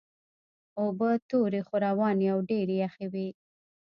اوبه تورې خو روانې او ډېرې یخې وې.